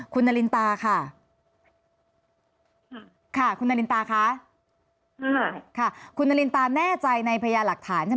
คุณนารินตาค่ะคุณนารินตาแน่ใจในพยาหลักฐานใช่ไหม